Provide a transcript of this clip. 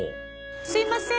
すいません。